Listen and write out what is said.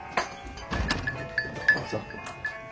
どうぞ。